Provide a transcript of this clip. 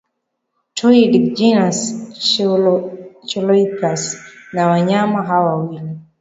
toed genus Choloepus na wanyama hawa wawili